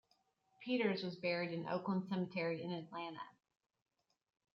Peters was buried in Oakland Cemetery in Atlanta.